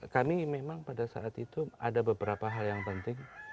kami memang pada saat itu ada beberapa hal yang penting